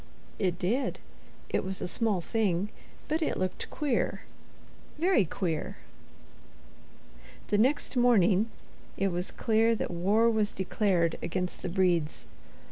It did. It was a small thing. But it looked queer, Very queer. The next morning, it was clear that war was declared against the Bredes.